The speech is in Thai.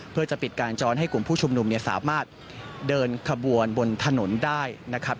เพื่อเปิดปิดจรงั้นคุณผู้ชุมให้สามารถเดินขบวนบนถนนได้นะครับ